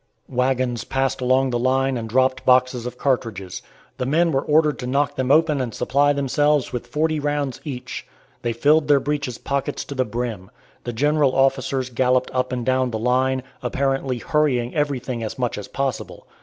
Wagons passed along the line and dropped boxes of cartridges. The men were ordered to knock them open and supply themselves with forty rounds each. They filled their breeches' pockets to the brim. The general officers galloped up and down the line, apparently hurrying everything as much as possible.